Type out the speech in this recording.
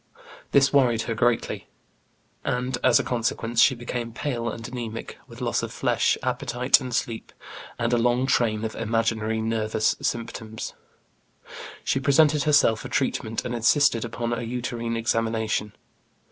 This worried her greatly, and as a consequence she became pale and anæmic, with loss of flesh, appetite, and sleep, and a long train of imaginary nervous symptoms. She presented herself for treatment, and insisted upon a uterine examination.